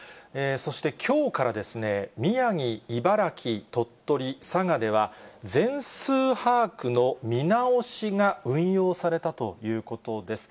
そしてきょうから、宮城、茨城、鳥取、佐賀では、全数把握の見直しが運用されたということです。